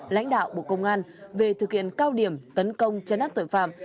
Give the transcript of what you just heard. lãnh đạo bộ công an về thực hiện cao điểm tấn công chấn áp tội phạm